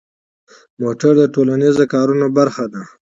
موټر د ټولنیزو کارونو برخه ده.